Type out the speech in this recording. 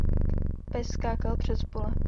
Pes skákal přes pole.